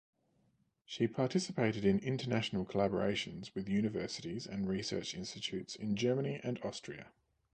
She participated in international collaborations with universities and research institutes in Germany and Austria.